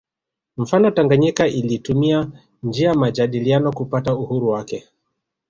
Mfano Tanganyika ilitumia njia majadiliano kupata uhuru wake